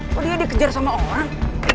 kok dia dikejar sama orang